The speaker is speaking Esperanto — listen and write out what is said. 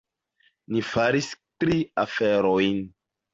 Ni faris tri aferojn.